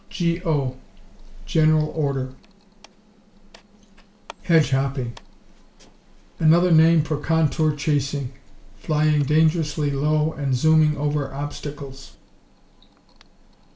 G.O. General Order. Hedge hopping Another name for contour chasing. Flying dangerously low and zooming over obstacles.